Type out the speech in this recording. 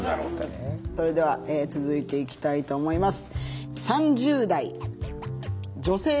それでは続いていきたいと思います。